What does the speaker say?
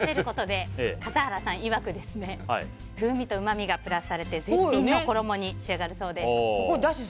衣にカツオ節を混ぜることで笠原さんいわく風味とうまみがプラスされて絶品の衣に仕上がるそうです。